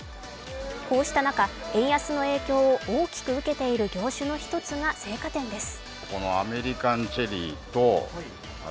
こうした中、円安の影響を大きく受けている業種の一つが青果店です。